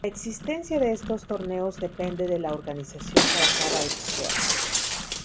La existencia de estos torneos depende de la organización para cada edición.